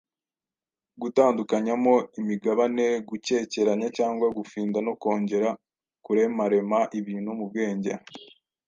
gutandukanyamo imigabane, gukekeranya cyangwa gufinda no kongera kuremarema ibintu mu bwenge,